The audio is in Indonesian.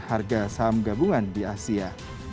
harga saham gabungan di asia